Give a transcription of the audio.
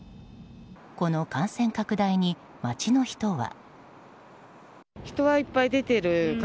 この感染拡大に街の人は。